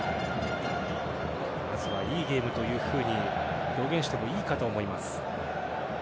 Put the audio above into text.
まずは、いいゲームというふうに表現してもいいかと思います。